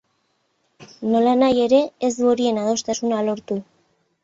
Nolanahi ere, ez du horien adostasuna lortu.